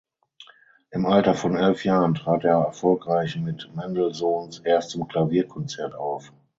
Im Alter von elf Jahren trat er erfolgreich mit Mendelssohns Erstem Klavierkonzert auf.